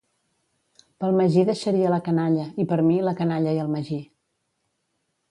Pel Magí deixaria la canalla, i per mi, la canalla i el Magí.